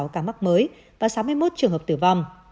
một một trăm hai mươi sáu ca mắc mới và sáu mươi một trường hợp tử vong